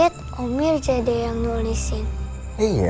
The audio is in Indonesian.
coba gue liat bukunya